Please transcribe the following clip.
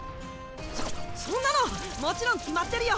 そそんなのもちろん決まってるよ！